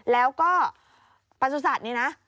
แล้วก็ปราสุทธิ์สัตว์นี้นะ